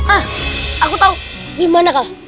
ah aku tau gimana kal